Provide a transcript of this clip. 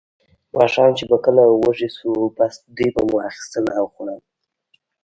ماښام چې به کله وږي شوو، بس دوی به مو اخیستل او خوړل.